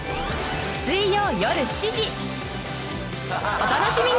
お楽しみに！